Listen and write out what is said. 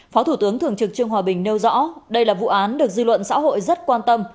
phó thủ tướng thường trực trương hòa bình nêu rõ đây là vụ án được dư luận xã hội rất quan tâm